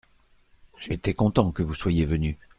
J’étais content que vous soyez venu.